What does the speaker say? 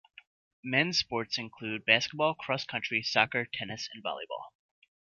Men's sports include basketball, cross country, soccer, tennis and volleyball.